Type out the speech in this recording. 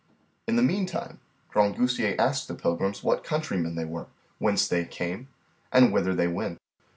In the meantime Grangousier asked the pilgrims what countrymen they were, whence they came, and whither they went.